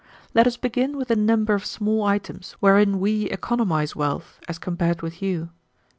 "Let us begin with a number of small items wherein we economize wealth as compared with you.